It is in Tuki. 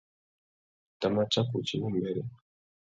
Tu tà ma tsaka udjï wumbêrê.